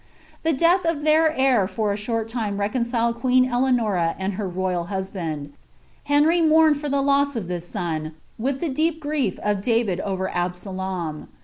The death of their heir for a short time reconcile queen Dcanora lad her royal husband. Henry moiirned for the loss of this son, with Ike deep grief of David over Absalom.